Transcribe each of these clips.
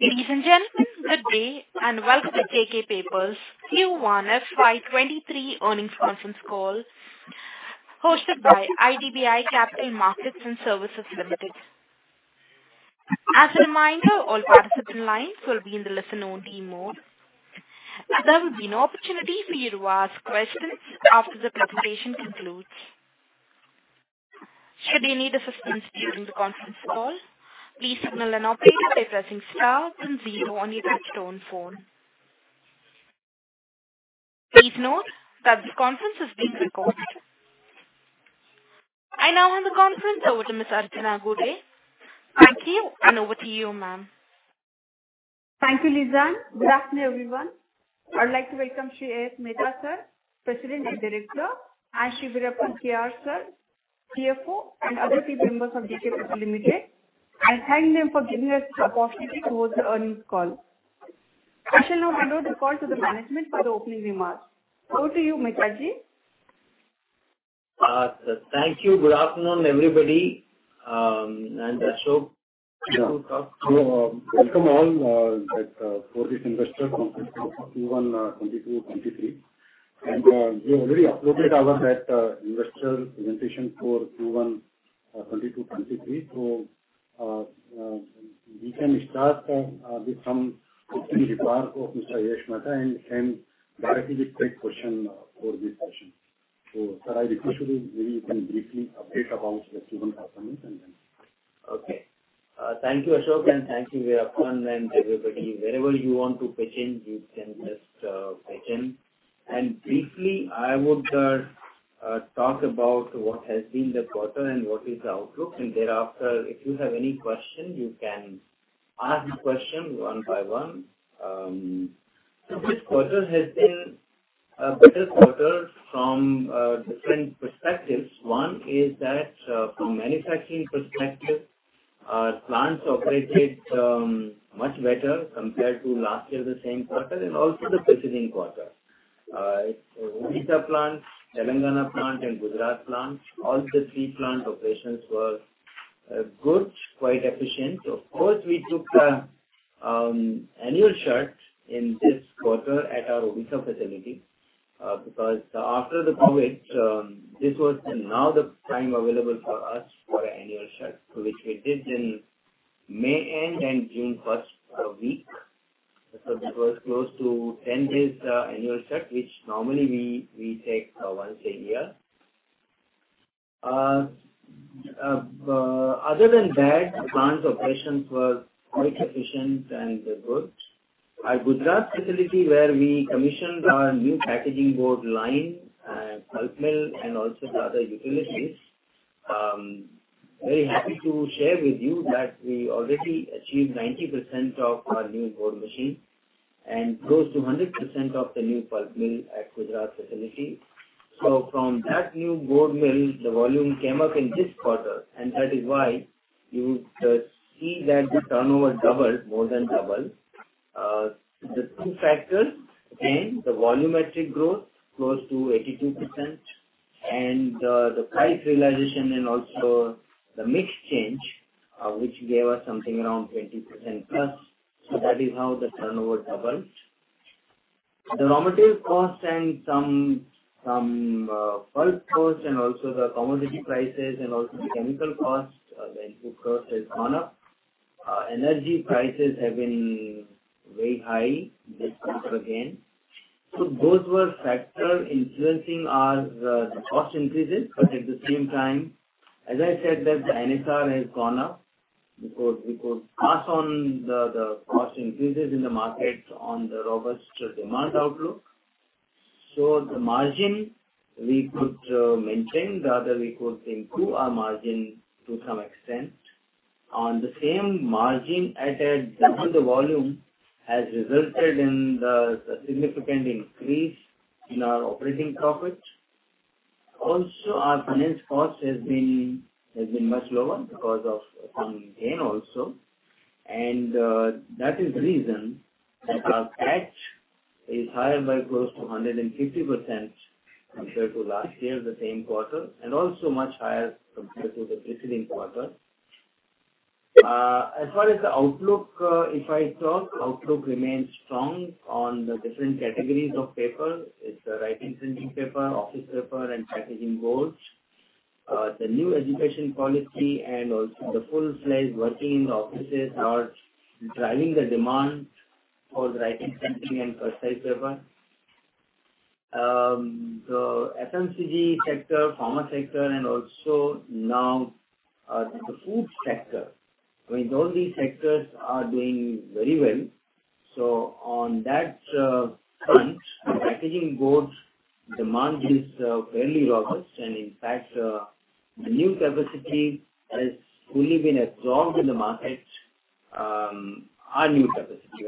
Ladies and gentlemen, good day and welcome to JK Paper's Q1 FY23 earnings conference call hosted by IDBI Capital Markets & Services Limited. As a reminder, all participant lines will be in the listen-only mode. There will be an opportunity for you to ask questions after the presentation concludes. Should you need assistance during the conference call, please signal an operator by pressing star then zero on your touchtone phone. Please note that this conference is being recorded. I now hand the conference over to Ms. Archana Gude. Thank you, and over to you, ma'am. Thank you, Lizanne. Good afternoon, everyone. I'd like to welcome Shri A.S. Mehta, sir, President and Director, and Shri Veerappan K.R., sir, CFO, and other key members of JK Paper Limited, and thank them for giving us the opportunity to host the earnings call. I shall now hand over the call to the management for the opening remarks. Over to you, Mehta ji. Thank you. Good afternoon, everybody, and Ashok. You can talk. Welcome all to this investor conference call Q1 2022-2023. We have already uploaded our investor presentation for Q1 2022-2023. We can start with some opening remark of Mr. A.S. Mehta and directly with quick question for this session. Sir, I request you maybe you can briefly update about the Q1 performance and then. Okay. Thank you, Ashok, and thank you, Veerappan, and everybody. Wherever you want to pitch in, you can just pitch in. Briefly, I would talk about what has been the quarter and what is the outlook. Thereafter, if you have any question, you can ask the question one by one. This quarter has been a better quarter from different perspectives. One is that from manufacturing perspective, plants operated much better compared to last year, the same quarter and also the preceding quarter. It's Odisha Plant, Telangana Plant, and Gujarat Plant. All the three plant operations were good, quite efficient. Of course, we took annual shut in this quarter at our Odisha facility, because after the COVID, this was now the time available for us for annual shut, so which we did in May end and June first week. So that was close to 10 days annual shut, which normally we take once a year. Other than that, plant operations were quite efficient and good. At Gujarat facility, where we commissioned our new packaging board line, pulp mill and also the other utilities. Very happy to share with you that we already achieved 90% of our new board machine and close to 100% of the new pulp mill at Gujarat facility. From that new board mill, the volume came up in this quarter and that is why you see that the turnover doubled, more than doubled. The two factors, again, the volumetric growth close to 82% and the price realization and also the mix change, which gave us something around 20%+. That is how the turnover doubled. The normative costs and some pulp costs and also the commodity prices and also the chemical costs, the input cost has gone up. Energy prices have been very high this quarter again. Those were factor influencing our cost increases. But at the same time, as I said that the NSR has gone up because we could pass on the cost increases in the market on the robust demand outlook. The margin we could maintain, rather we could improve our margin to some extent. On the same margin at double the volume has resulted in the significant increase in our operating profit. Also our finance cost has been much lower because of some gain also. That is the reason that our PAT is higher by close to 150% compared to last year, the same quarter, and also much higher compared to the preceding quarter. As far as the outlook remains strong on the different categories of paper. It's writing printing paper, office paper and packaging boards. The new education policy and also the full-time working in the offices are driving the demand for the writing, printing and office paper. The FMCG sector, pharma sector and also now, the food sector. I mean, all these sectors are doing very well. On that front, packaging board demand is fairly robust. In fact, the new capacity has fully been absorbed in the market, our new capacity.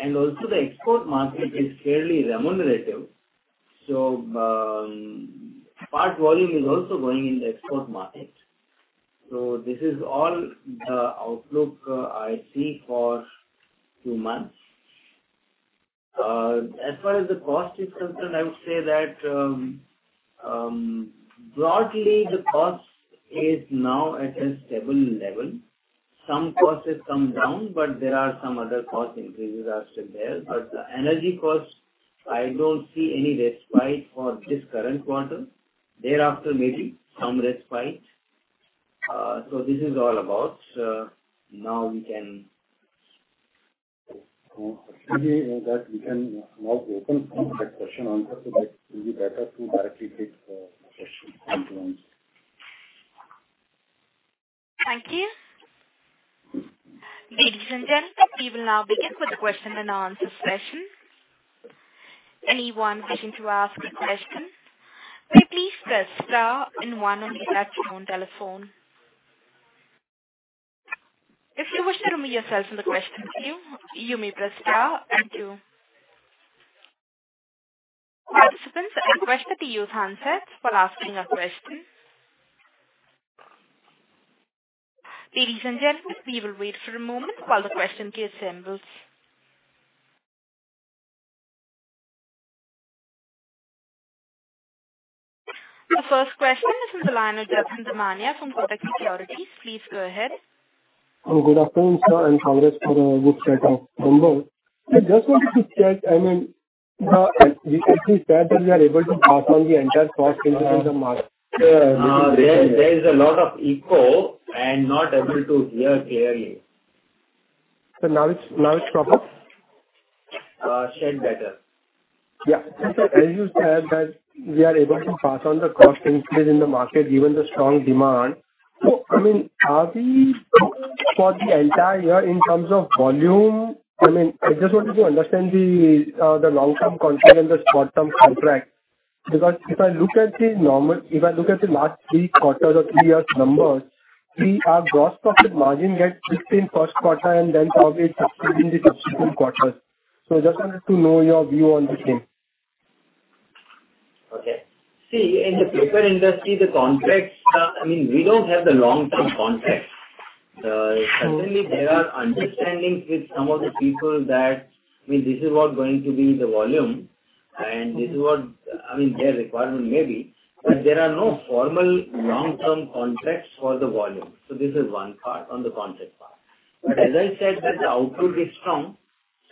Also the export market is fairly remunerative. Pulp volume is also going in the export market. This is all the outlook I see for two months. As far as the cost is concerned, I would say that broadly the cost is now at a stable level. Some costs have come down, but there are some other cost increases still there. The energy costs, I don't see any respite for this current quarter. Thereafter, maybe some respite. This is all about now we can. Actually, in that we can now open for the question answer, so that it will be better to directly take question and answer. Thank you. Ladies and gentlemen, we will now begin with the question and answer session. Anyone wishing to ask a question, please press star and one on your telephone. If you wish to remove yourself from the question queue, you may press star and two. Participants are requested to use handsets while asking a question. Ladies and gentlemen, we will wait for a moment while the question queue assembles. The first question is from the line of Jatin Damania from Kotak Securities. Please go ahead. Good afternoon, sir, and congrats for the good set of numbers. I just wanted to check, I mean, as we said that we are able to pass on the entire cost increase in the market. There is a lot of echo. I am not able to hear clearly. Sir, now it's proper. Sure better. Yeah. As you said that we are able to pass on the cost increase in the market given the strong demand. I mean, are we for the entire year in terms of volume? I mean, I just wanted to understand the long term contract and the short term contract. Because if I look at the last three quarters or three years numbers, we have gross profit margin at 16% first quarter and then average 16% in the subsequent quarters. Just wanted to know your view on the same. Okay. See, in the paper industry, the contracts, I mean we don't have the long term contracts. Certainly there are understandings with some of the people that, I mean, this is what going to be the volume and this is what, I mean, their requirement may be. There are no formal long term contracts for the volume. This is one part on the contract part. As I said that the output is strong,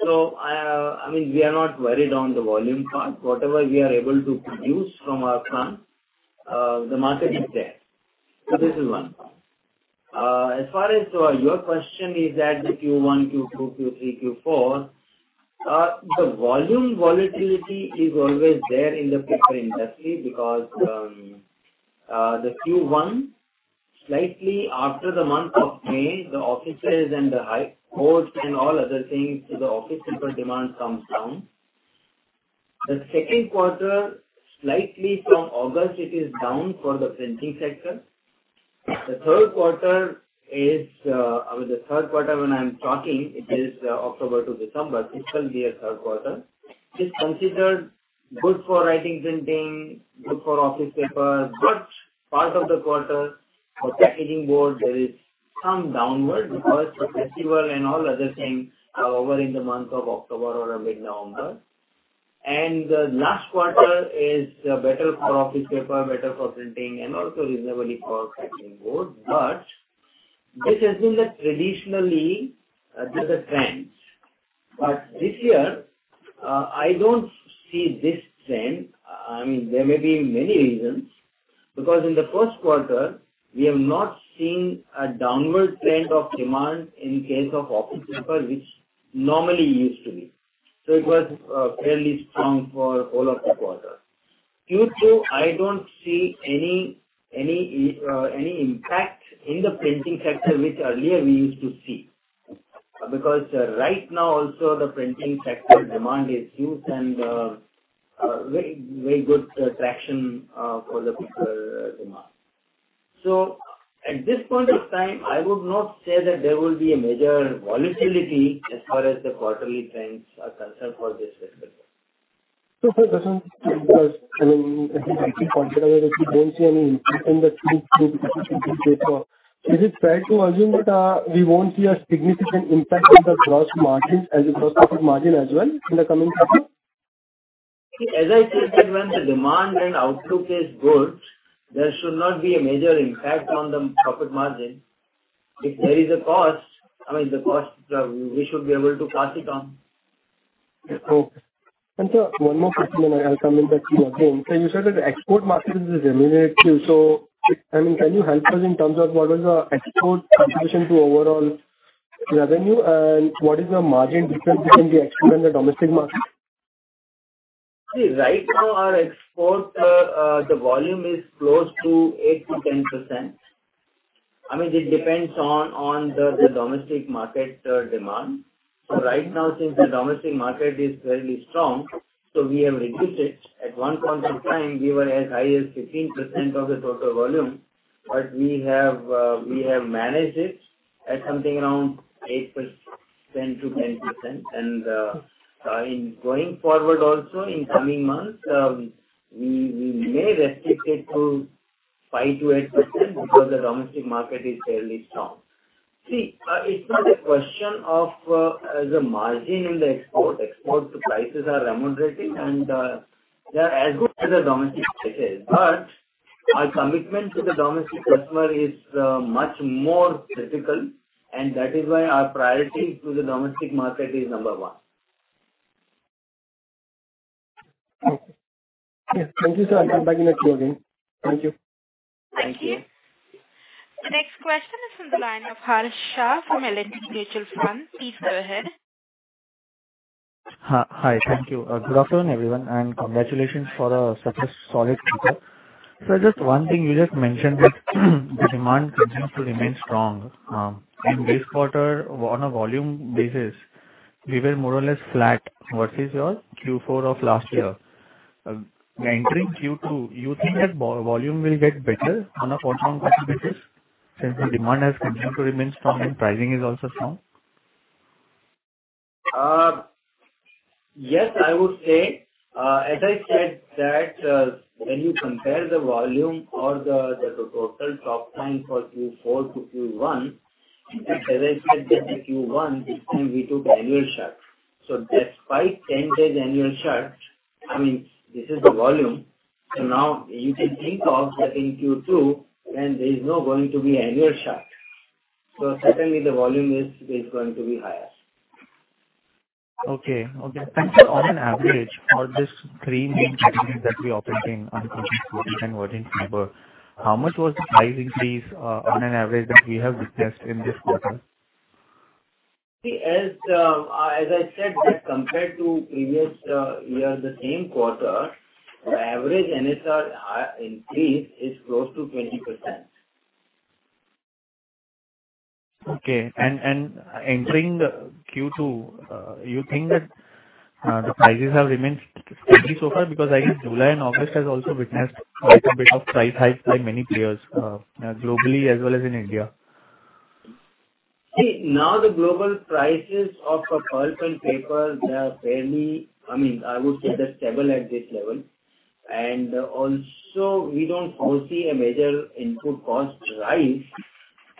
so, I mean, we are not worried on the volume part. Whatever we are able to produce from our plant, the market is there. This is one part. As far as your question is that the Q1, Q2, Q3, Q4, the volume volatility is always there in the paper industry because, the Q1 slightly after the month of May, the offices and the high courts and all other things, so the office paper demand comes down. The second quarter, slightly from August, it is down for the printing sector. The third quarter is, I mean, the third quarter when I'm talking it is October to December. This will be a third quarter. It's considered good for writing, printing, good for office papers, but part of the quarter for packaging board, there is some downward because the festival and all other things are over in the month of October or mid-November. The last quarter is better for office paper, better for printing and also reasonably for packaging board. This has been the traditional trends. This year, I don't see this trend. I mean, there may be many reasons, because in the first quarter we have not seen a downward trend of demand in case of office paper, which normally used to be. It was fairly strong for all of the quarter. Q2, I don't see any impact in the printing sector, which earlier we used to see. Because right now also the printing sector demand is huge and very good traction for the paper demand. At this point of time, I would not say that there will be a major volatility as far as the quarterly trends are concerned for this fiscal. For this one, because I mean, if you consider that you don't see any impact in the Q3, Q4, is it fair to assume that we won't see a significant impact on the gross margins as a gross profit margin as well in the coming quarter? As I said that when the demand and outlook is good, there should not be a major impact on the profit margin. If there is a cost, I mean, the cost, we should be able to pass it on. Okay. Sir, one more question, and I'll come back to you again. You said that export market is remaining true. I mean, can you help us in terms of what is the export contribution to overall revenue and what is the margin difference between the export and the domestic market? Right now our export volume is close to 8%-10%. I mean, it depends on the domestic market demand. Right now, since the domestic market is fairly strong, we have reduced it. At one point of time we were as high as 15% of the total volume, but we have managed it at something around 8%-10%. I mean, going forward also in coming months, we may restrict it to 5%-8% because the domestic market is fairly strong. It's not a question of the margin in the export. Export prices are remunerative and they're as good as the domestic prices. Our commitment to the domestic customer is much more critical, and that is why our priority to the domestic market is number one. Okay. Yeah. Thank you, sir. I'll come back in the queue again. Thank you. Thank you. Thank you. The next question is from the line of Harsh Shah from L&T Mutual Fund. Please go ahead. Hi. Thank you. Good afternoon, everyone, and congratulations for such a solid quarter. Just one thing you just mentioned that the demand continues to remain strong. In this quarter on a volume basis, we were more or less flat versus your Q4 of last year. We're entering Q2, you think that volume will get better on a quarter-on-quarter basis since the demand has continued to remain strong and pricing is also strong? Yes, I would say. As I said that, when you compare the volume or the total top line for Q4 to Q1, as I said that the Q1 this time we took annual shut. Despite 10-day annual shut, I mean, this is the volume. Now you can think of that in Q2 and there's no going to be annual shut. Certainly the volume is going to be higher. Okay. Sir, on an average, for this three main categories that we operate in, unbleached pulp and virgin fiber, how much was the pricing fees, on an average that we have discussed in this quarter? See, as I said that compared to previous year, the same quarter, the average NSR increase is close to 20%. Okay. Entering the Q2, you think that the prices have remained steady so far? Because I think July and August has also witnessed quite a bit of price hikes by many players, globally as well as in India. See, now the global prices of pulp and paper, they are fairly, I mean, I would say they're stable at this level. Also we don't foresee a major input cost rise,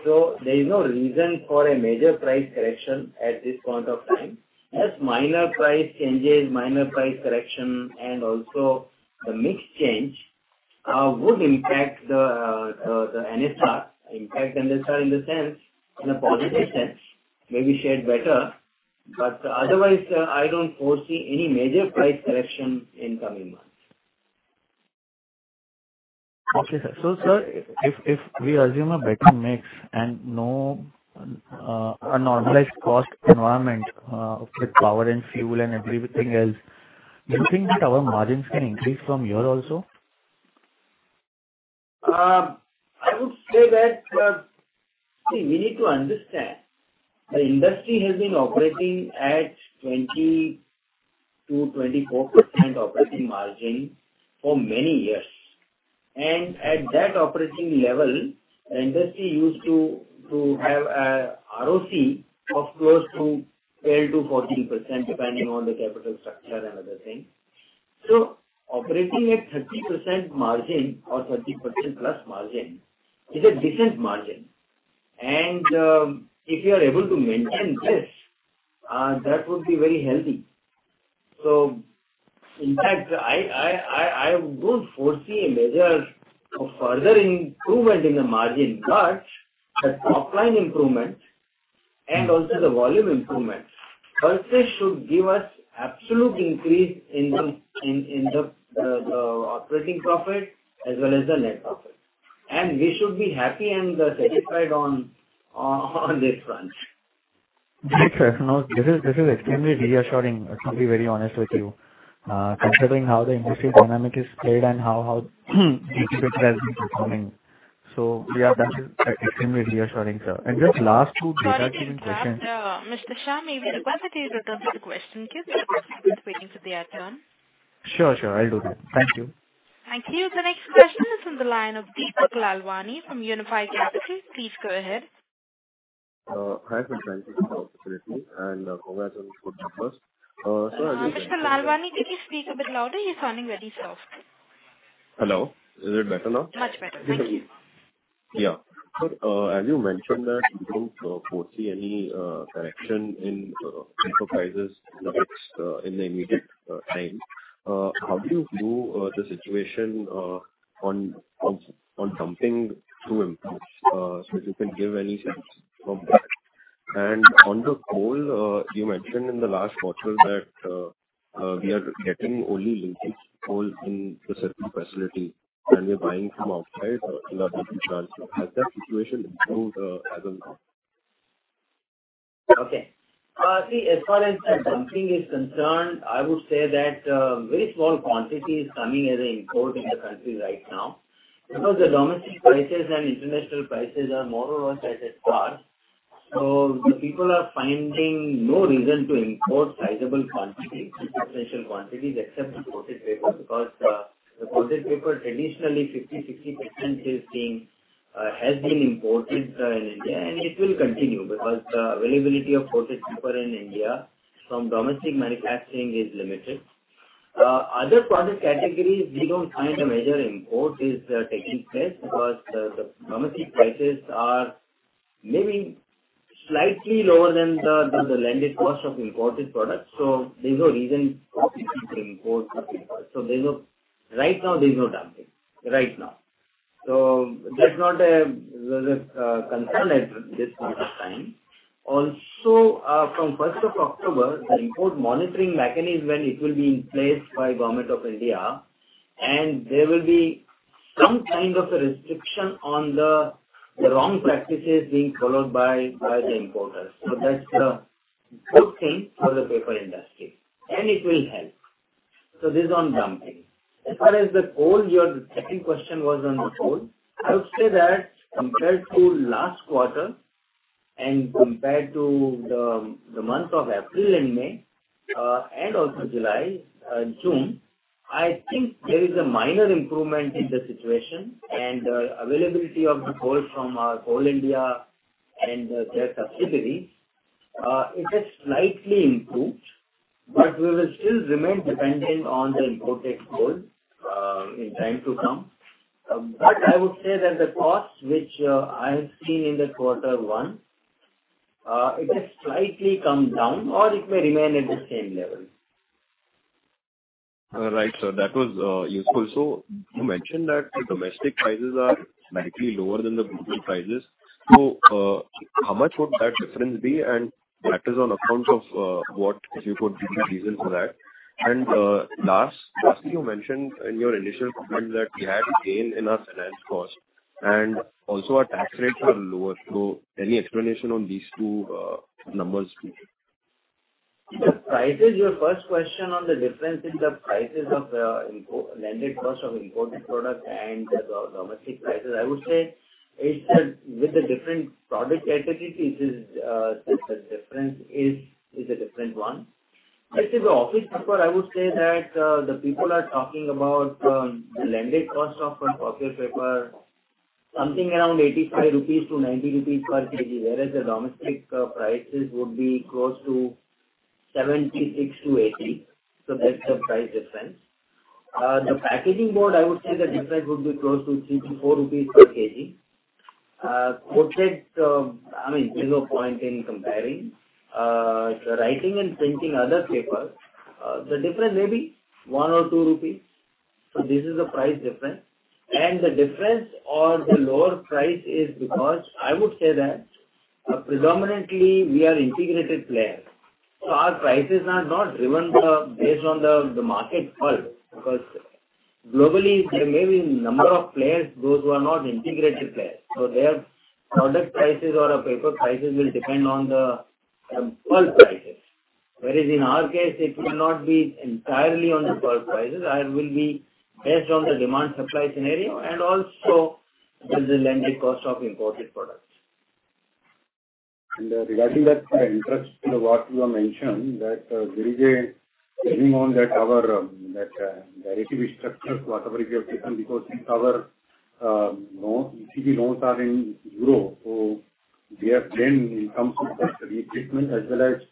so there is no reason for a major price correction at this point of time. Yes, minor price changes, minor price correction, and also the mix change would impact the NSR. Impact NSR in the sense, in a positive sense, maybe shared better. Otherwise, I don't foresee any major price correction in coming months. Okay, sir. Sir, if we assume a better mix and a normalized cost environment, with power and fuel and everything else, do you think that our margins can increase from here also? I would say that, we need to understand, the industry has been operating at 20%-24% operating margin for many years. At that operating level, industry used to have a ROC of close to 12%-14%, depending on the capital structure and other things. Operating at 30% margin or 30%+ margin is a decent margin. If you are able to maintain this, that would be very healthy. In fact, I would foresee a major or further improvement in the margin, but the top line improvement and also the volume improvement firstly should give us absolute increase in the operating profit as well as the net profit. We should be happy and satisfied on this front. Great, sir. No, this is extremely reassuring, to be very honest with you, considering how the industry dynamic is played and how each of it has been performing. So yeah, that is extremely reassuring, sir. Just last two data points. Sorry to interrupt. Mr. Shah, we request that you return to the question queue. There are customers waiting for their turn. Sure. I'll do that. Thank you. Thank you. The next question is from the line of Deepak Lalwani from Unifi Capital. Please go ahead. Hi. Thank you for the opportunity, and congrats on good numbers. As you- Mr. Lalwani, can you speak a bit louder? You're sounding very soft. Hello. Is it better now? Much better. Thank you. Yeah. As you mentioned that you don't foresee any correction in input prices in the immediate time, how do you view the situation on dumping to inputs? If you can give any sense from that. On the coal, you mentioned in the last quarter that we are getting only linkage coal in the Songadh facility and we're buying from outside on a different charge. Has that situation improved as of now? Okay. See, as far as the dumping is concerned, I would say that very small quantity is coming as an import in the country right now. Domestic prices and international prices are more or less at par, so the people are finding no reason to import sizable quantity, substantial quantities except the coated paper. The coated paper traditionally 50%-60% has been imported in India, and it will continue because the availability of coated paper in India from domestic manufacturing is limited. Other product categories, we don't find a major import is taking place because the domestic prices are maybe slightly lower than the landed cost of imported products, so there's no reason for people to import such products. There's no dumping right now. That's not a, well, concern at this point of time. Also, from first of October, the import monitoring mechanism will be in place by Government of India, and there will be some kind of a restriction on the wrong practices being followed by the importers. That's a good thing for the paper industry, and it will help. This is on dumping. As far as the coal, your second question was on the coal. I would say that compared to last quarter and compared to the month of April and May, and also July, June, I think there is a minor improvement in the situation. Availability of the coal from Coal India and their subsidiaries, it has slightly improved, but we will still remain dependent on the imported coal in time to come. I would say that the costs which I have seen in the quarter one, it has slightly come down, or it may remain at the same level. All right, sir. That was useful. You mentioned that the domestic prices are slightly lower than the global prices. How much would that difference be, and that is on account of what, if you could give the reason for that. Lastly, you mentioned in your initial comment that we had a gain in our finance cost and also our tax rates are lower. Any explanation on these two numbers please. The prices, your first question on the difference in the prices of landed cost of imported product and the domestic prices, I would say is that with the different product categories, the difference is a different one. Let's say the office paper. I would say that the people are talking about the landed cost of copier paper something around 85-90 rupees per kg, whereas the domestic prices would be close to 76-80. That's the price difference. The packaging board, I would say the difference would be close to 3-4 rupees per kg. Coated, I mean, there's no point in comparing. The writing and printing paper, the difference may be 1 or 2 rupees. This is the price difference. The difference or the lower price is because I would say that predominantly we are integrated player. Our prices are not driven, based on the market pulp because globally there may be number of players, those who are not integrated players, so their product prices or paper prices will depend on the pulp prices. Whereas in our case it will not be entirely on the pulp prices and will be based on the demand supply scenario and also with the landed cost of imported products. Regarding that, sir, in response to what you have mentioned, there is a gain on that, the derivative structures whatsoever we have taken because since our loans, ECB loans are in euro, so we have gained in terms of currency treatment as well as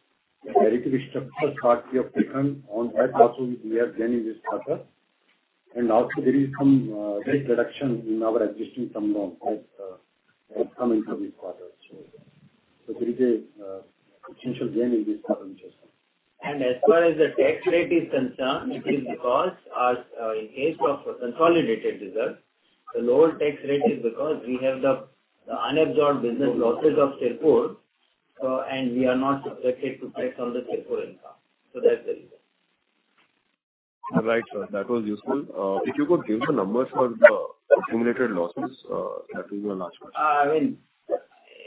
the derivative structures that we have taken on that also we have gained in this quarter. Also there is some rate reduction in our existing term loans that is coming from this quarter. There is a potential gain in this quarter also. As far as the tax rate is concerned, it is because, as in case of consolidated result, the lower tax rate is because we have the unabsorbed business losses of Sirpur, and we are not subjected to tax on the Sirpur income. That's the reason. All right, sir. That was useful. If you could give the numbers for the accumulated losses, that will be my last question. I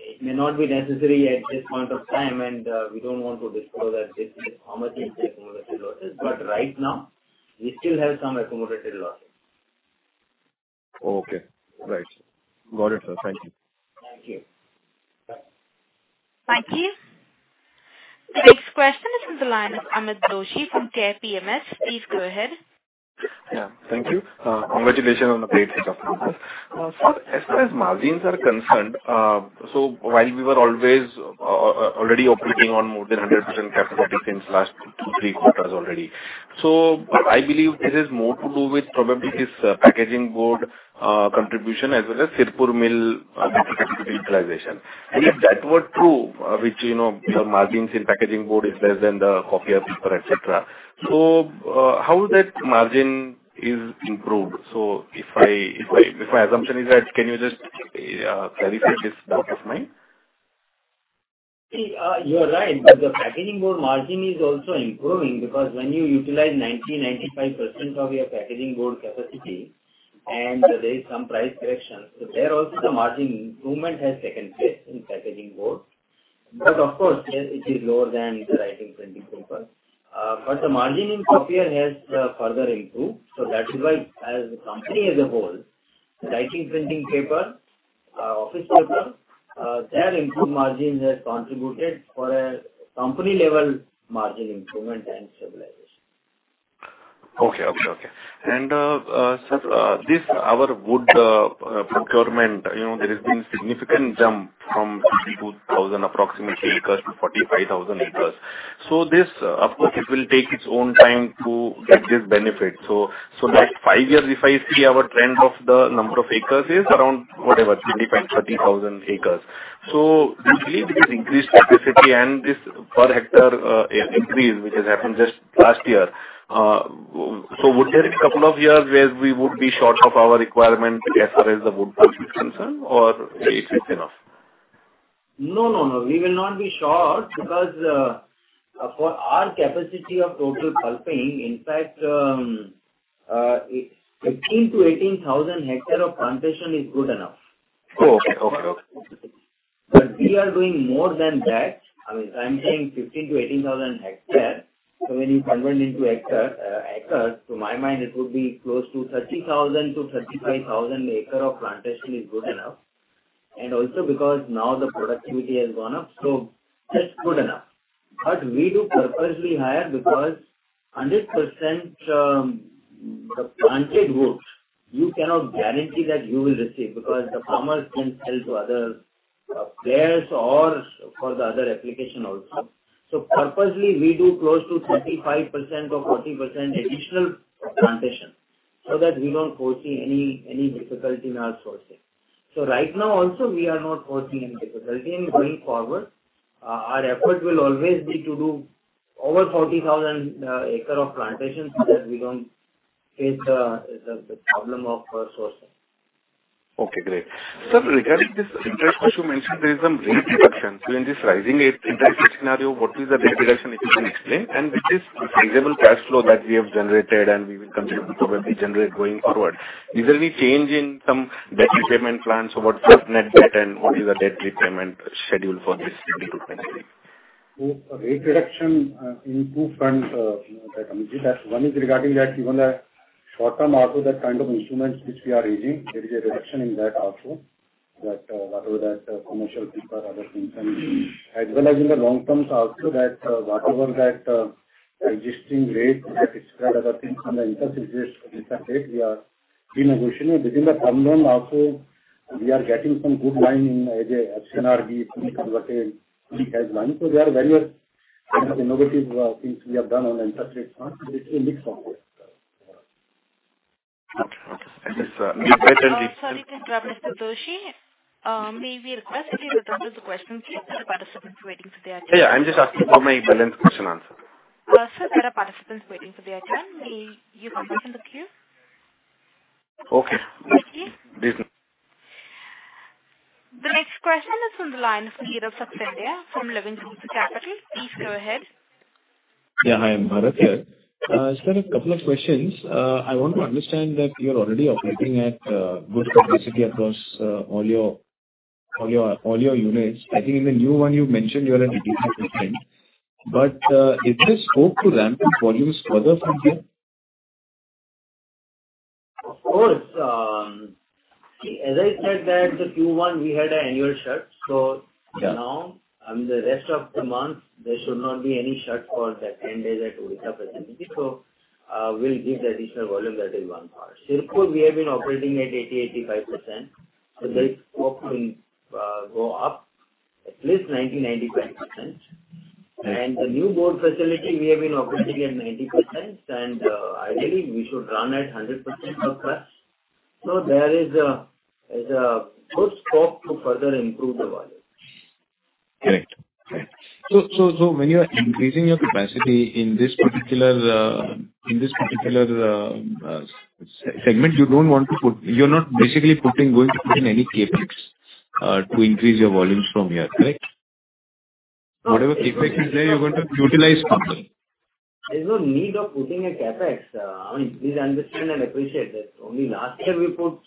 mean, it may not be necessary at this point of time, and we don't want to disclose at this stage how much is the accumulated losses. Right now we still have some accumulated losses. Okay. Right. Got it, sir. Thank you. Thank you. Thank you. The next question is on the line of Amit Doshi from Care PMS. Please go ahead. Yeah. Thank you. Congratulations on the great results. Sir, as far as margins are concerned, while we were always already operating on more than 100% capacity since last two, three quarters already. I believe it is more to do with probably this packaging board contribution as well as Sirpur mill utilization. If that were true, which, you know, your margins in packaging board is less than the copier paper, et cetera. How that margin is improved? If my assumption is right, can you just clarify this doubt of mine? See, you are right, but the packaging board margin is also improving because when you utilize 90%, 95% of your packaging board capacity and there is some price corrections, so there also the margin improvement has taken place in packaging board. Of course, yes, it is lower than the writing printing paper. The margin in copier has further improved. That is why as the company as a whole, writing printing paper, office paper, their improved margins has contributed for a company level margin improvement and stabilization. Sir, this our wood procurement, you know, there has been significant jump from 32,000 acres approximately to 45,000 acres. So this, of course, it will take its own time to get this benefit. So next five years if I see our trend of the number of acres is around whatever, 25,000, 30,000 acres. So do you believe this increased capacity and this per hectare increase which has happened just last year, so would there be a couple of years where we would be short of our requirement as far as the wood pulp is concerned, or it is enough? No, no. We will not be short because for our capacity of total pulping, in fact, 15,000 hectares-18,000 hectares of plantation is good enough. Oh, okay. Okay. We are doing more than that. I mean, I'm saying 15,000 hectares-18,000 hectares. When you convert into hectares, acres, to my mind it would be close to 30,000 acres-35,000 acres of plantation is good enough. Also because now the productivity has gone up, so it's good enough. We do purposely higher because 100%, the planted woods, you cannot guarantee that you will receive because the farmers can sell to other players or for the other application also. Purposely we do close to 35% or 40% additional plantation so that we don't foresee any difficulty in our sourcing. Right now also we are not foresee any difficulty in going forward. Our effort will always be to do over 40,000 acres of plantation so that we don't face the problem of sourcing. Okay, great. Sir, regarding this interest which you mentioned, there is some rate reduction. In this rising interest scenario, what is the debt reduction if you can explain, and with this visible cash flow that we have generated and we will continue to probably generate going forward, is there any change in some debt repayment plans about net debt and what is the debt repayment schedule for this 2022, 2023? Rate reduction in two fronts that come into play. One is regarding that even the short-term also the kind of instruments which we are raising, there is a reduction in that also. That whatever that commercial paper, other things. As well as in the long terms also that whatever that existing rate that is charged on the interest rate we are renegotiating. Within the term loan also we are getting some good line as option on the fully converted hedge line. There are various kind of innovative things we have done on interest rates. It's a mix of this. Okay. Sorry to interrupt, Mr. Doshi. May we request that you conclude the question, please. There are participants waiting for their turn. Yeah, yeah. I'm just asking for my balance question answer. Sir, there are participants waiting for their turn. May you conclude the queue? Okay. Thank you. Please go. The next question is from the line of Nirav Seksaria from Living Root Capital. Please go ahead. Yeah. Hi, I'm Bharat here. Sir, a couple of questions. I want to understand that you're already operating at good capacity across all your units. I think in the new one you mentioned you're at 80%-85%. Is there scope to ramp up volumes further from here? Of course. As I said that the Q1 we had an annual shut, so- Yeah. Now, the rest of the month there should not be any shutdown for the 10 days at Odisha facility. We'll give the additional volume that is one part. Sirpur, we have been operating at 80%, 85%. There is scope to go up at least 90%, 95%. The new board facility we have been operating at 90% and ideally we should run at 100% of that. There is a good scope to further improve the volume. Correct. When you are increasing your capacity in this particular segment, you're not basically going to put in any CapEx to increase your volumes from here, correct? Whatever CapEx is there, you're going to utilize something. There's no need of putting a CapEx. I mean, please understand and appreciate that only last year we put-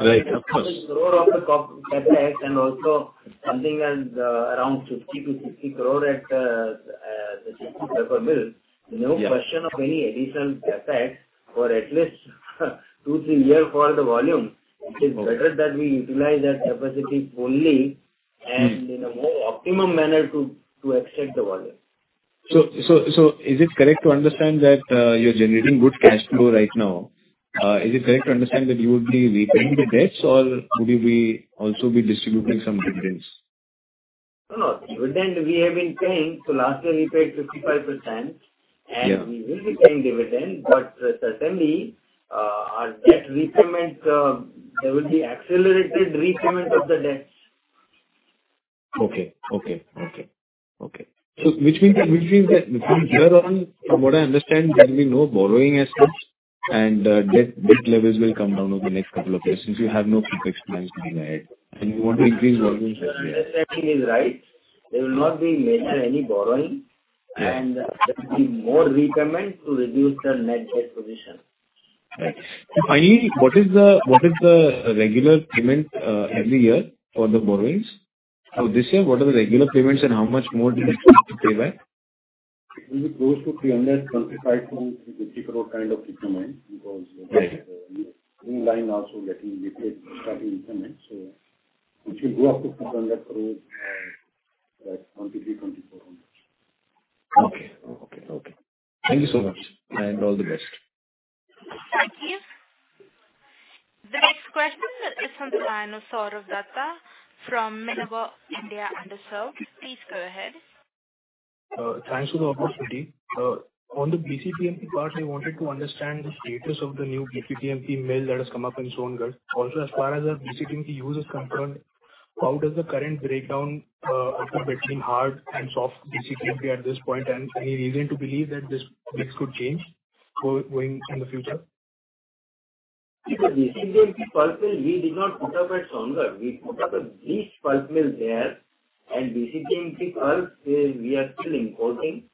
Right. Of course. 2,000 crore of the CapEx and also something around 50 crore-60 crore at the Sirpur Paper Mills. Yeah. No question of any additional CapEx for at least two to three years for the volume. Okay. It is better that we utilize that capacity fully. Mm. In a more optimum manner to extract the volume. Is it correct to understand that you're generating good cash flow right now? Is it correct to understand that you would be repaying the debts or would you be also distributing some dividends? No, no. Dividend we have been paying. Last year we paid 55%. Yeah. We will be paying dividend. Certainly, our debt repayment. There will be accelerated repayment of the debts. Which means that from here on, from what I understand, there'll be no borrowing as such and debt levels will come down over the next couple of years since you have no CapEx plans going ahead and you want to increase volumes as well. Your understanding is right. There will not be any major borrowing. Yeah. There will be more repayment to reduce the net debt position. Right. Finally, what is the regular payment every year for the borrowings? For this year, what are the regular payments and how much more do you expect to pay back? It will be close to INR 325 crore-INR 350 crore kind of repayment because. Right. The green line also getting replaced, starting to implement. Which will go up to INR 400 crores, like 2023, 2024. Okay. Thank you so much and all the best. From the line of Sourav Dutta from Minerva India Under-served. Please go ahead. Thanks for the opportunity. On the BCTMP part, I wanted to understand the status of the new BCTMP mill that has come up in Songadh. Also, as far as the BCTMP use is concerned, how does the current breakdown between hard and soft BCTMP at this point? Any reason to believe that this mix could change going in the future? The BCTMP pulp mill, we did not put up at Songadh. We put up a bleached pulp mill there. BCTMP pulp, we are still importing,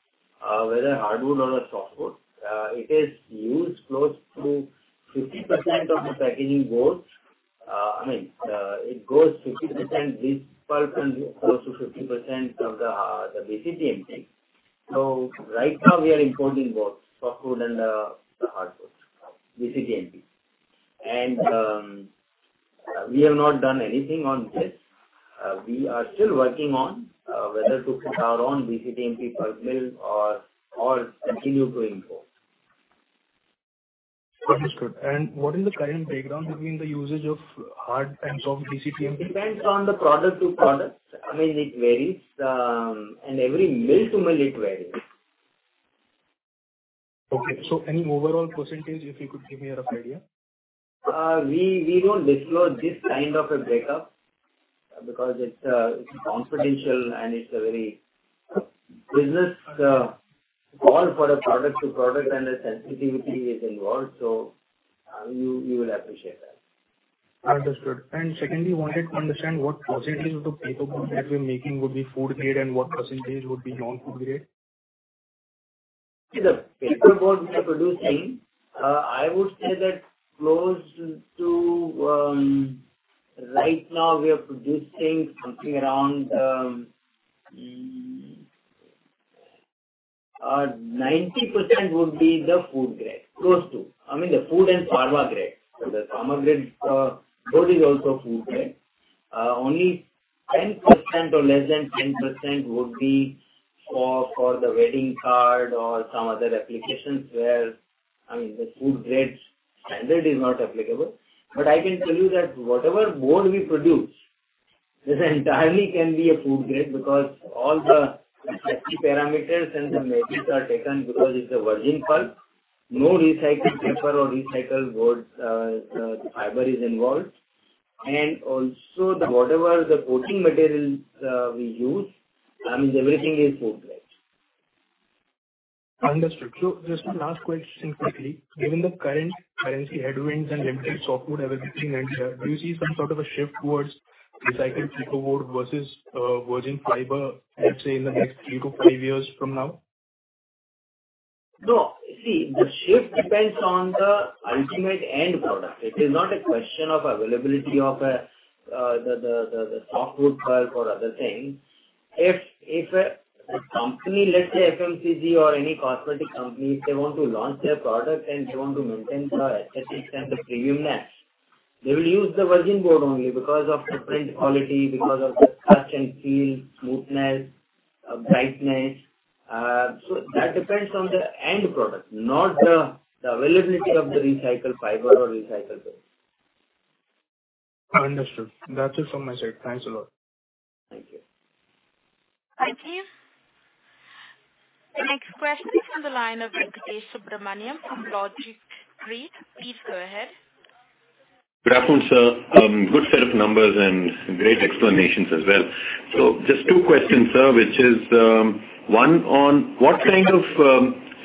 whether hardwood or a softwood. It is used close to 50% of the packaging board. I mean, it goes 50% bleached pulp and close to 50% of the BCTMP. Right now we are importing both softwood and the hardwood BCTMP. We have not done anything on this. We are still working on whether to put our own BCTMP pulp mill or continue to import. Understood. What is the current breakdown between the usage of hard and soft BCTMP? Depends on the product to product. I mean, it varies. Every mill to mill it varies. Okay. Any overall percentage if you could give me a rough idea? We don't disclose this kind of a breakup because it's confidential, and it's a very business call for a product to product, and the sensitivity is involved. You will appreciate that. Understood. Secondly, wanted to understand what percentage of the paper board that we're making would be food grade and what percentage would be non-food grade? The paper board we are producing, I would say that close to, right now we are producing something around, 90% would be the food grade. Close to. I mean, the food and pharma grade. The pharma grade board is also food grade. Only 10% or less than 10% would be for the wedding card or some other applications where, I mean, the food grade standard is not applicable. I can tell you that whatever board we produce is entirely can be a food grade because all the property parameters and the metrics are taken because it's a virgin pulp. No recycled paper or recycled board fiber is involved. Also whatever the coating materials we use, I mean, everything is food grade. Understood. Just one last question quickly. Given the current currency headwinds and limited softwood availability next year, do you see some sort of a shift towards recycled paper board versus virgin fiber, let's say, in the next three to five years from now? No. See, the shift depends on the ultimate end product. It is not a question of availability of the softwood pulp or other things. If a company, let's say FMCG or any cosmetic company, if they want to launch their product and they want to maintain the aesthetics and the premiumness, they will use the virgin board only because of the print quality, because of the touch and feel, smoothness, brightness. That depends on the end product, not the availability of the recycled fiber or recycled board. Understood. That's it from my side. Thanks a lot. Thank you. Thank you. The next question is from the line of Venkatesh Subramaniam from LogicTree. Please go ahead. Good afternoon, sir. Good set of numbers and great explanations as well. Just two questions, sir. Which is, one on what kind of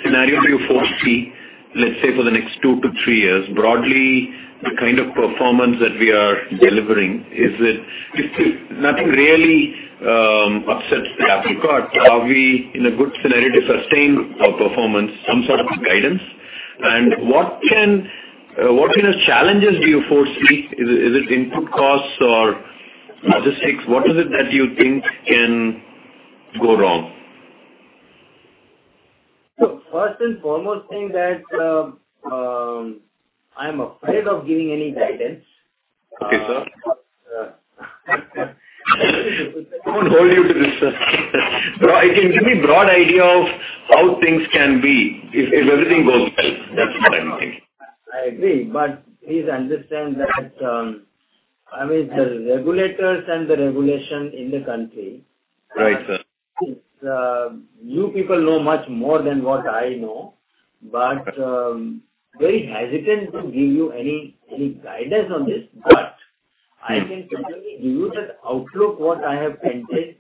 scenario do you foresee, let's say, for the next two to three years? Broadly, the kind of performance that we are delivering, is it? If nothing really upsets the apple cart, are we in a good scenario to sustain our performance, some sort of guidance? What kind of challenges do you foresee? Is it input costs or logistics? What is it that you think can go wrong? First and foremost thing that I'm afraid of giving any guidance. Okay, sir. I won't hold you to this, sir. Can you give me broad idea of how things can be if everything goes well? That's what I'm asking. I agree. Please understand that, I mean, the regulators and the regulation in the country. Right, sir. You people know much more than what I know, but very hesitant to give you any guidance on this. I can certainly give you the outlook what I have painted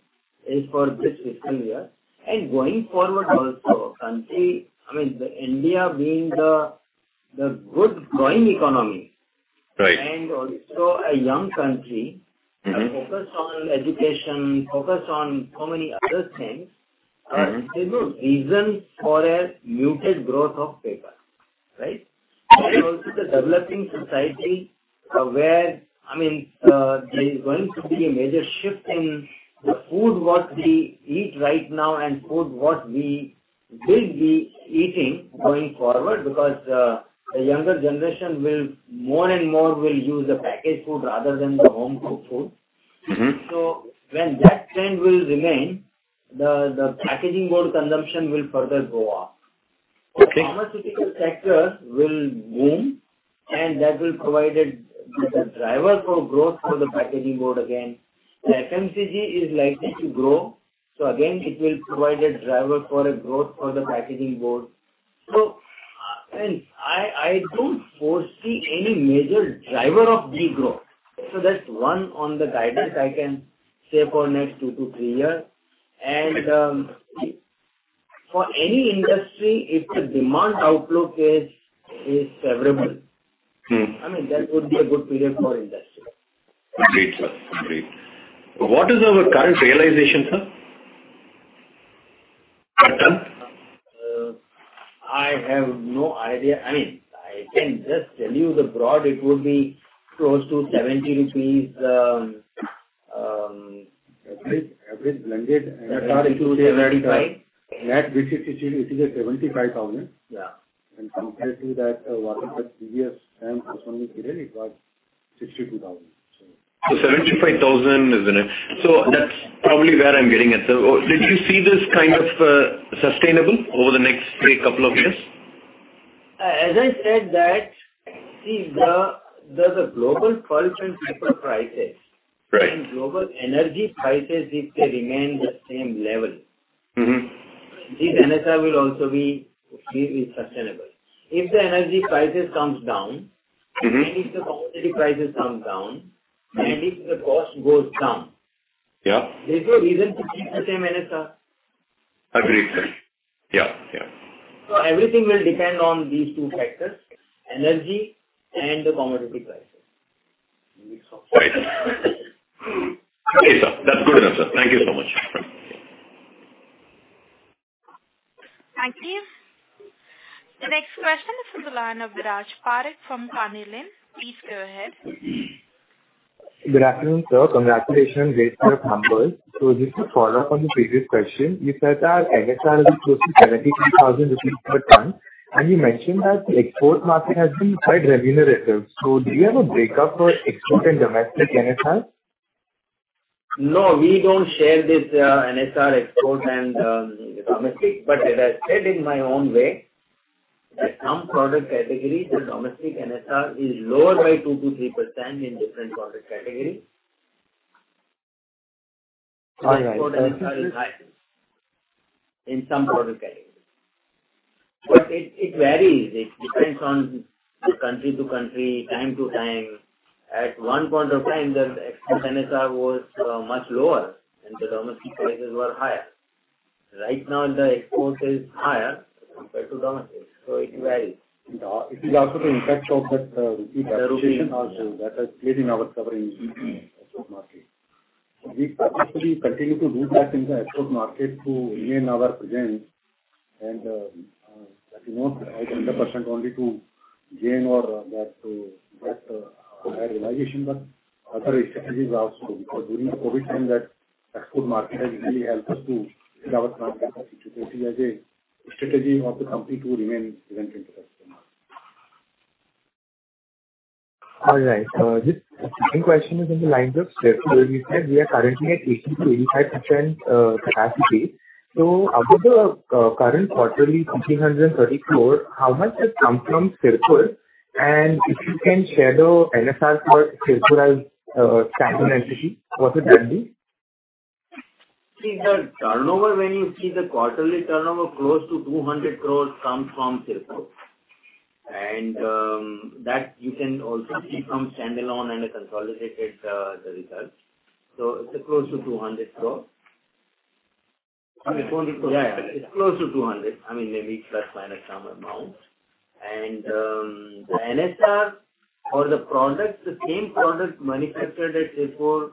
is for this fiscal year and going forward also. Country, I mean, India being the good growing economy. Right. A young country. Mm-hmm. Focused on education, focused on so many other things. Mm-hmm. There's no reason for a muted growth of paper, right? Also the developing society where, I mean, there is going to be a major shift in the food what we eat right now and food what we will be eating going forward because the younger generation will more and more use the packaged food rather than the home-cooked food. Mm-hmm. When that trend will remain, the packaging board consumption will further go up. The pharmaceutical sector will boom and that will provide the driver for growth for the packaging board again. The FMCG is likely to grow, so again it will provide a driver for a growth for the packaging board. I don't foresee any major driver of de-growth. That's one on the guidance I can say for next two to three years. For any industry, if the demand outlook is favorable. Mm-hmm. I mean, that would be a good period for industry. Agreed, sir. What is our current realization, sir? Per ton. I have no idea. I mean, I can just tell you the broad, it would be close to 70,000 rupees. Average blended NSR 70-75. It is 75,000. Yeah. Compared to that, what was the previous time this one was given, it was 62,000. 75,000, isn't it? That's probably where I'm getting it. Did you see this kind of sustainable over the next, say, couple of years? As I said, there's a global pulp and paper crisis. Right. Global energy crisis, if they remain the same level. Mm-hmm. This NSR will also be sustainable. If the energy prices come down. Mm-hmm. If the commodity prices come down. Mm-hmm. If the cost goes down. Yeah. There's no reason to keep the same NSR. Agreed, sir. Yeah. Yeah. Everything will depend on these two factors, energy and the commodity prices. Right. Okay, sir. That's good enough, sir. Thank you so much. Thank you. Thank you. The next question is from the line of Viraj Parekh from Carnelian. Please go ahead. Good afternoon, sir. Congratulations. Great set of numbers. Just to follow up on the previous question, you said that NSR is close to 73,000 rupees per ton, and you mentioned that the export market has been quite remunerative. Do you have a break up for export and domestic NSR? No, we don't share this, NSR export and, domestic, but as I said in my own way, that some product categories, the domestic NSR is lower by 2%-3% in different product categories. All right. Export NSR is high in some product categories. It varies. It depends on country to country, time to time. At one point of time, the export NSR was much lower and the domestic prices were higher. Right now the export is higher compared to domestic, so it varies. It is also the impact of that rupee depreciation. The rupee depreciation. That has played in our core export market. We purposely continue to do that in the export market to maintain our presence and that's not 100% only to gain that higher realization, but other strategies also. Because during the COVID time that export market has really helped us to develop our capacity as a strategy of the company to remain present with the customer. All right. This second question is on the lines of Sirpur, where you said we are currently at 80%-85% capacity. Out of the current quarterly INR 1,430 crores, how much has come from Sirpur? And if you can share the NSR for Sirpur as standalone entity, what would that be? See the turnover, when you see the quarterly turnover close to 200 crore comes from Sirpur. That you can also see from standalone and the consolidated, the results. It's close to 200 crore. 200 crore. Yeah, it's close to 200. I mean, maybe ± some amount. The NSR for the product, the same product manufactured at Sirpur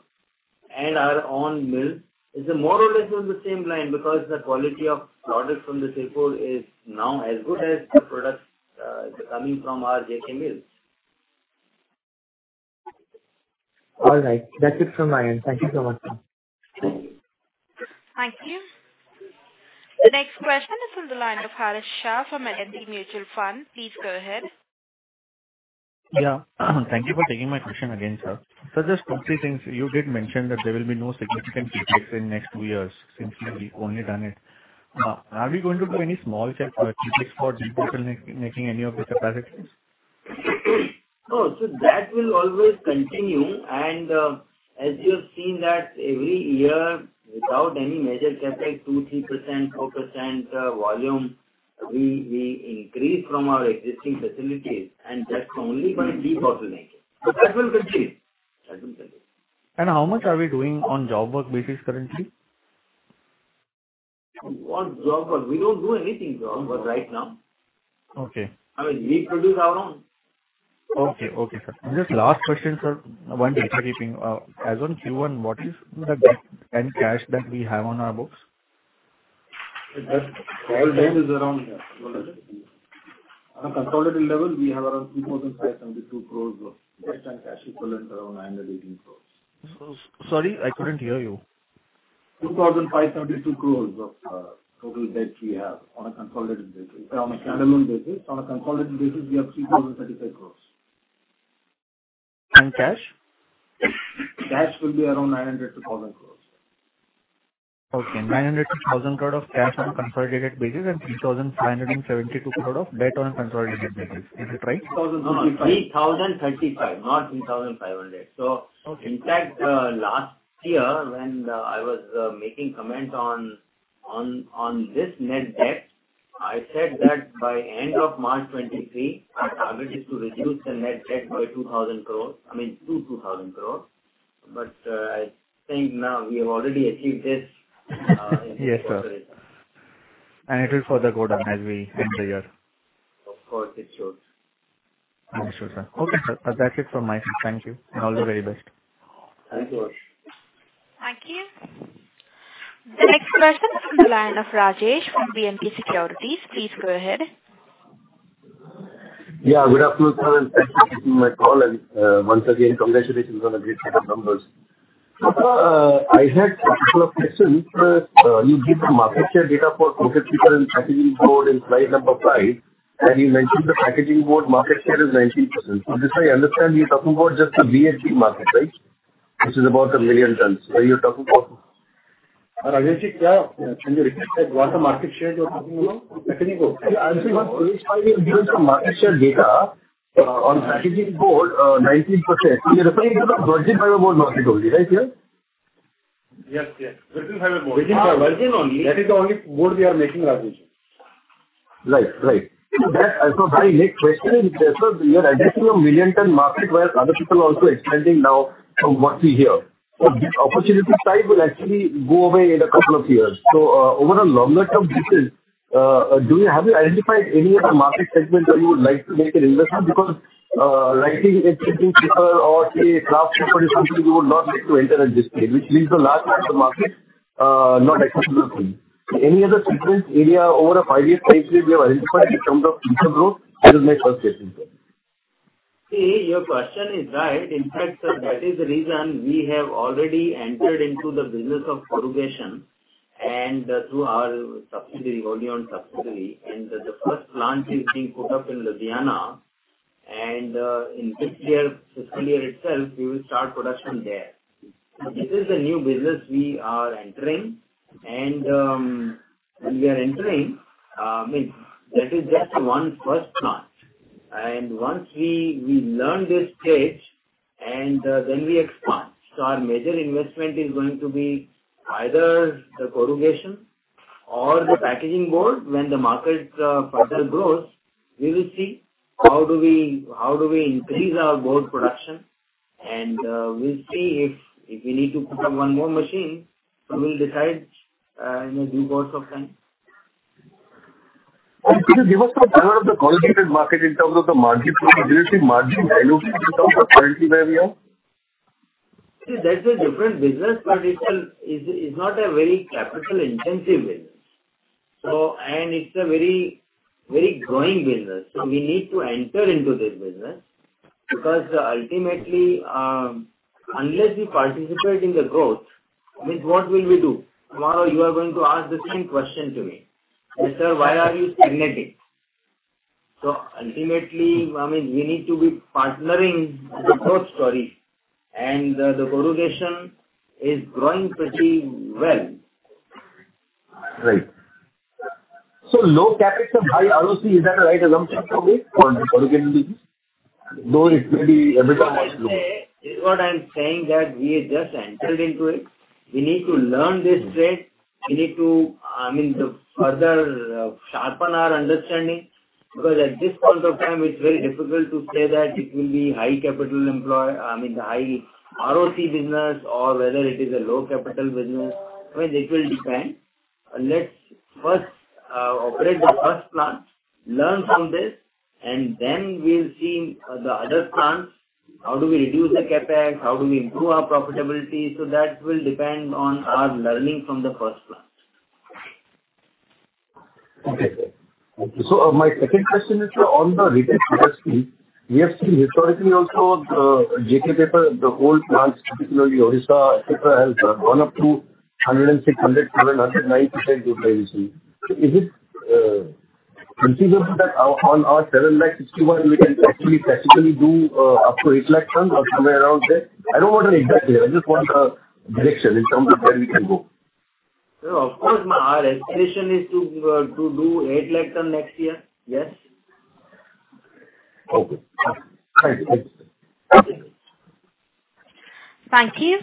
and our own mill is more or less on the same line because the quality of product from the Sirpur is now as good as the product coming from our JK Mills. All right. That's it from my end. Thank you so much, sir. Thank you. The next question is from the line of Harsh Shah from L&T Mutual Fund. Please go ahead. Yeah. Thank you for taking my question again, sir. Just quickly since you did mention that there will be no significant CapEx in next two years, since you've only done it. Are we going to do any small CapEx for debottlenecking any of the capacities? No. That will always continue and, as you have seen that every year without any major CapEx, 2%-3% volume, we increase from our existing facilities and that's only by debottlenecking. That will continue. That will continue. How much are we doing on job work basis currently? What job work? We don't do anything job work right now. Okay. I mean, we produce our own. Okay. Okay, sir. Just last question, sir. One data point. As on Q1, what is the debt and cash that we have on our books? On a consolidated level, we have around 2,572 crore of debt and cash equivalents around 918 crore. Sorry, I couldn't hear you. 2,572 crore of total debt we have on a consolidated basis. On a standalone basis. On a consolidated basis, we have 3,035 crore. Cash? Cash will be around 900 crore-1,000 crore. Okay. 900-1,000 crore of cash on a consolidated basis and 3,572 crore of debt on a consolidated basis. Is it right? No. 3,035 crore, not 3,500 crore. Okay. In fact, last year when I was making comments on this net debt, I said that by end of March 2023, our target is to reduce the net debt by 2,000 crore. I mean, to 2,000 crore. But I think now we have already achieved this in this quarter. Yes, sir. It will further go down as we end the year. Of course it should. I'm sure, sir. Okay, sir. That's it from my side. Thank you, and all the very best. Thank you, Harsh. Thank you. The next question is from the line of Rajesh from B&K Securities. Please go ahead. Yeah, good afternoon, sir, and thank you for taking my call, and once again, congratulations on a great set of numbers. Sir, I had a couple of questions. You gave the market share data for coated paper and packaging board and slide number five, and you mentioned the packaging board market share is 19%. From this I understand you're talking about just the VFB market, right? Which is about 1 million tons. Are you talking about- Rajesh, yeah. Can you repeat that? What's the market share you're talking about? Packaging board. I'm seeing on page five you've given some market share data on packaging board, 19%. You're referring to the virgin fiber board market only, right, sir? Yes, yes. Virgin fiber board. Virgin fiber. Virgin only. That is the only board we are making, Rajesh. Right. My next question is, therefore you are addressing a 1 million-ton market where other people are also expanding now from what we hear. This opportunity type will actually go away in a couple of years. Over a longer term basis, have you identified any other market segment that you would like to make an investment? Because writing and printing paper or say kraft paper is something we would not like to enter at this stage, which leaves a large part of the market not accessible to you. Any other segment area over a five-year time frame we have identified in terms of future growth that will make us get into it? See, your question is right. In fact, sir, that is the reason we have already entered into the business of corrugation and through wholly owned subsidiary, and the first plant is being put up in Ludhiana, and in this year, fiscal year itself, we will start production there. This is a new business we are entering and, when we are entering, I mean, that is just one first plant. Once we learn this trade and then we expand. Our major investment is going to be either the corrugation or the packaging board. When the market further grows, we will see how we increase our board production, and we'll see if we need to put up one more machine. We'll decide in a due course of time. Okay. Give us the color of the corrugated market in terms of the margin. Do you see margin evolution in terms of currently where we are? See, that's a different business, but it is not a very capital intensive business. And it's a very, very growing business, so we need to enter into this business because ultimately, unless we participate in the growth, I mean, what will we do? Tomorrow you are going to ask the same question to me. That, "Sir, why are you stagnating?" Ultimately, I mean, we need to be partnering the growth story and the corrugation is growing pretty well. Right. Low CapEx, high ROC, is that a right assumption for this? Of course. For the corrugated business? Though it may be EBITDA margin low. I would say, this is what I'm saying, that we just entered into it. We need to learn this trade. We need to, I mean, to further sharpen our understanding, because at this point of time it's very difficult to say that it will be high capital-intensive, I mean, the high ROC business or whether it is a low capital-intensive business. I mean, it will depend. Let's first operate the first plant, learn from this, and then we'll see the other plants, how do we reduce the CapEx, how do we improve our profitability. That will depend on our learning from the first plant. Okay, sir. Thank you. My second question is, sir, on the retail industry, we have seen historically also the JK Paper, the whole plants, particularly Odisha, et cetera, has gone up to 106%, 107%, even 109% utilization. Is it conceivable that on our 7.61 lakh we can actually technically do up to 8 lakh tons or somewhere around there? I don't want an exact figure. I just want a direction in terms of where we can go. No, of course. Our expectation is to do 8 lakh tons next year. Yes. Okay. Thank you. Thank you, sir. Thank you.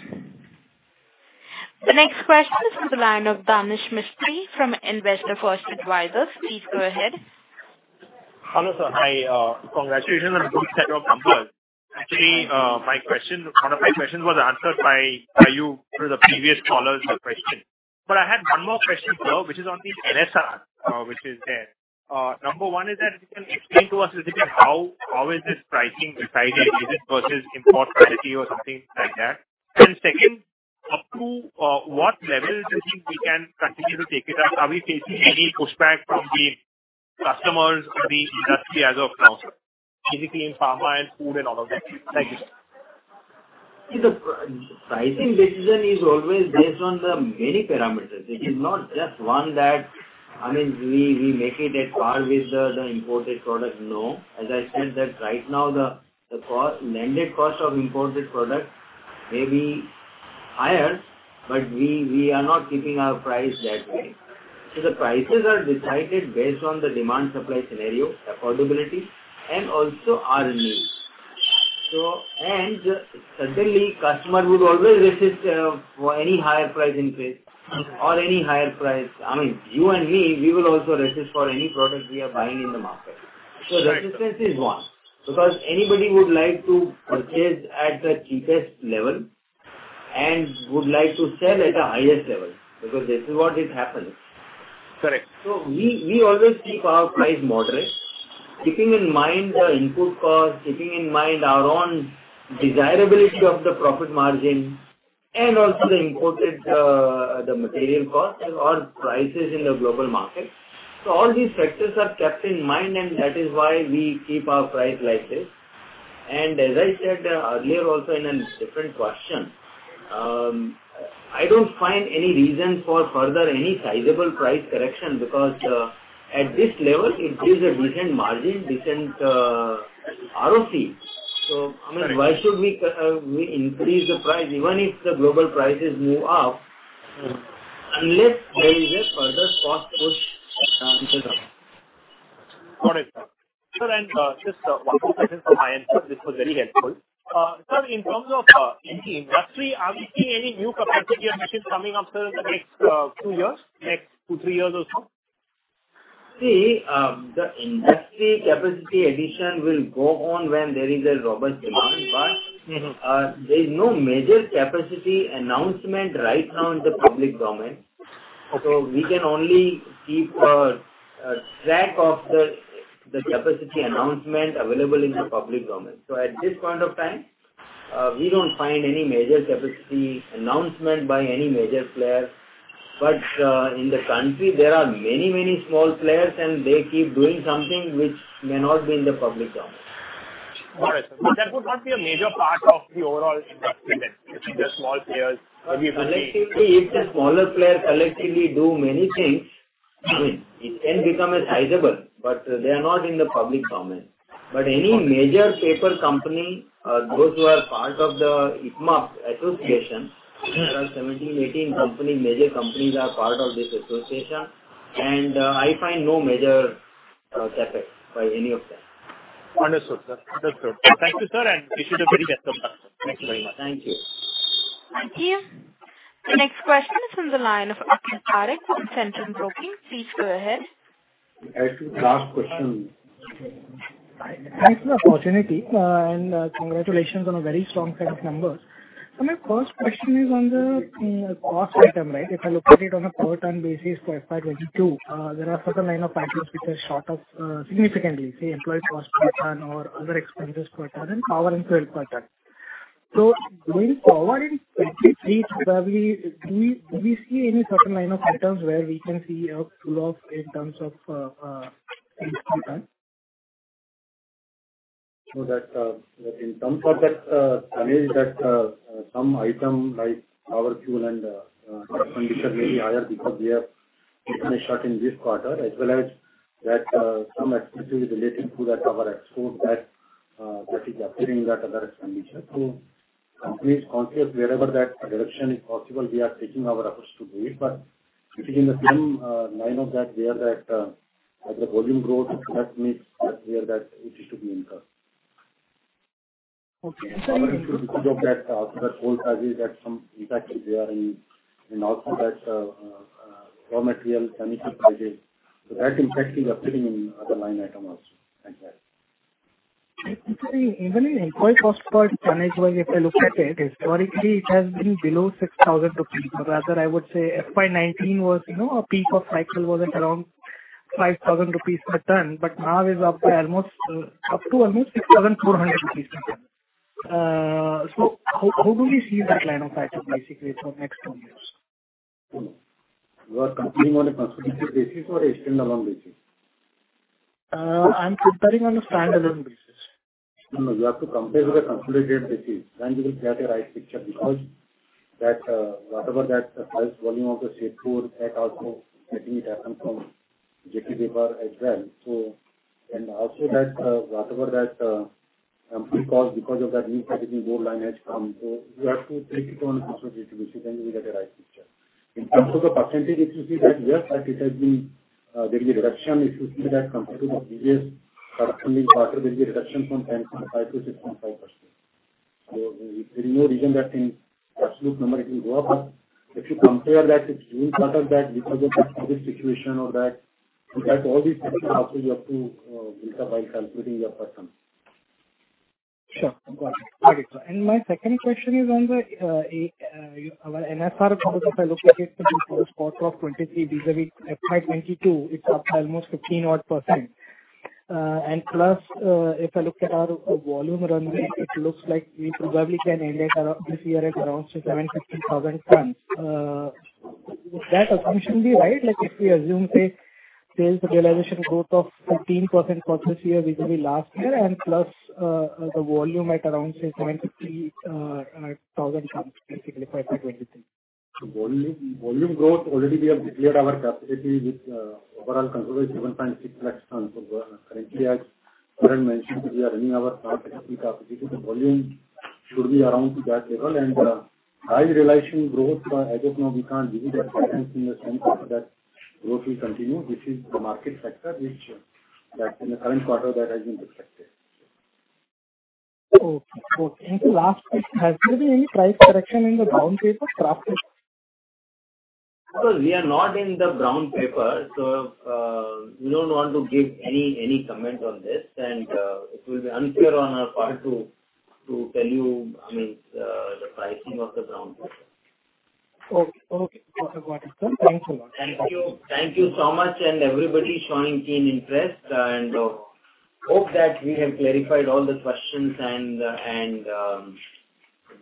The next question is from the line of Danesh Mistry from Investor First Advisors. Please go ahead. Hello, sir. Hi. Congratulations on a good set of numbers. Actually, my question, one of my questions was answered by you through the previous caller's question. I had one more question, sir, which is on the NSR, which is there. Number one is that if you can explain to us a little bit how this pricing is decided? Is it versus import parity or something like that? And second, up to what level do you think we can continue to take it up? Are we facing any pushback from the customers or the industry as of now, sir? Basically in pharma and food and all of that. Thank you, sir. See, the pricing decision is always based on the many parameters. It is not just one. I mean, we make it at par with the imported product. No. As I said, right now the landed cost of imported product may be higher, but we are not keeping our price that way. The prices are decided based on the demand supply scenario, affordability, and also R&D. Certainly, customer would always resist for any higher price increase. Mm-hmm. Any higher price. I mean, you and me, we will also resist for any product we are buying in the market. Right, right. Resistance is one. Because anybody would like to purchase at the cheapest level and would like to sell at the highest level, because this is what is happening. Correct. We always keep our price moderate, keeping in mind the input cost, keeping in mind our own desirability of the profit margin, and also the imported material cost or prices in the global market. All these factors are kept in mind, and that is why we keep our price like this. As I said earlier also in a different question, I don't find any reason for further any sizable price correction because at this level it gives a decent margin, decent ROC. I mean, why should we increase the price even if the global prices move up, unless there is a further spot push into the market. Got it. Sir, just one to two questions from my end. This was very helpful. Sir, in terms of in the industry, are we seeing any new capacity additions coming up, sir, in the next two to three years or so? See, the industry capacity addition will go on when there is a robust demand. Mm-hmm. There's no major capacity announcement right now in the public domain. Okay. We can only keep a track of the capacity announcement available in the public domain. At this point of time, we don't find any major capacity announcement by any major player. In the country there are many small players and they keep doing something which may not be in the public domain. Got it. That would not be a major part of the overall industry then, the small players maybe. Collectively, if the smaller players collectively do many things, I mean, it can become a sizable, but they are not in the public domain. Any major paper company, those who are part of the IPMA association, there are 17, 18 companies, major companies are part of this association, and I find no major CapEx by any of them. Understood, sir. Understood. Thank you, sir, and wish you the very best. Thank you very much. Thank you. Thank you. The next question is from the line of Akhil Parekh from Centrum Broking. Please go ahead. Actually, last question. Thanks for the opportunity, and congratulations on a very strong set of numbers. My first question is on the cost item, right? If I look at it on a per ton basis for FY 2022, there are certain line of items which are short of significantly, say employee cost per ton or other expenses per ton and power and fuel per ton. Going forward in 2023, probably do we see any certain line of items where we can see a pull-off in terms of in per ton? In terms of that challenge, some item like power, fuel and raw material may be higher because we have taken a shot in this quarter, as well as some expenses related to power, forex that is occurring, that other expenditure. Company is conscious wherever that reduction is possible. We are taking our efforts to do it. It is in the same line of that where, as the volume grows, that means that it is to be incurred. Okay. Because of that, also that coal charges has some impact is there in also that raw material, chemical charges. That impact is occurring in other line item also. Thank you. Even in employee cost per ton, wage-wise, if I look at it, historically it has been below 6,000 rupees. Rather I would say FY 2019 was, you know, a peak of cycle at around 5,000 rupees per ton, but now it is up to almost 6,400 rupees per ton. So how do we see that line item basically for next two years? You are comparing on a consolidated basis or a stand-alone basis? I'm comparing on a stand-alone basis. No, no. You have to compare with the consolidated basis, then you will get a right picture. Whatever the highest volume of the Sirpur, that also making it happen from JK Paper as well. And also whatever the fixed cost because of that new packaging board line has come. You have to take it on a consolidated basis, then you will get a right picture. In terms of the percentage, if you see that, yes, like it has been, there'll be a reduction. If you see that compared to the previous corresponding quarter, there'll be a reduction from 10.5%-6.5%. There's no reason that in absolute number it will go up. If you compare that, it's doing better than that because of this COVID situation or that. In fact, all these factors, you also have to build up while calculating your position. Sure. Got it, sir. My second question is on our NSR numbers, if I look at it for Q4 of 2023 vis-à-vis FY 2022, it's up by almost 15% odd. Plus, if I look at our volume run rate, it looks like we probably can end it around this year at around 750,000 tons. Would that assumption be right? Like, if we assume, say, sales realization growth of 15% for this year vis-à-vis last year, plus the volume at around, say, 750,000 tons basically FY 2023. Volume growth already we have declared our capacity with overall consolidation 7.6 lakh tons. Currently as sir has mentioned, we are running our plant at peak capacity. The volume should be around that level. High realization growth, as of now we can't give you that confidence in the sense that that growth will continue. This is the market sector which that in the current quarter that has been affected. Okay. Last, has there been any price correction in the brown paper, kraft paper? No, we are not in the brown paper, so we don't want to give any comment on this. It will be unfair on our part to tell you, I mean, the pricing of the brown paper. Okay. Okay. Got it, sir. Thank you so much. Thank you. Thank you so much, and everybody showing keen interest. Hope that we have clarified all the questions and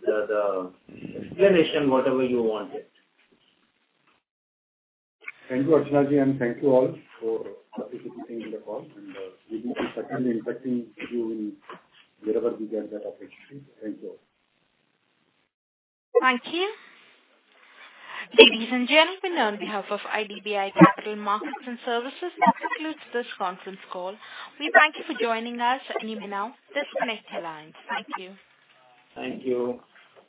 the explanation, whatever you wanted. Thank you, Archana ji, and thank you all for participating in the call. We will be certainly interacting with you in wherever we get that opportunity. Thank you. Thank you. Ladies and gentlemen, on behalf of IDBI Capital Markets & Services, that concludes this conference call. We thank you for joining us. You may now disconnect your lines. Thank you. Thank you.